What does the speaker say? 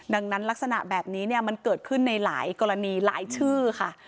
ดังนั้นลักษณะแบบนี้มันเกิดขึ้นในหลายกรณีหลายชื่อค่ะ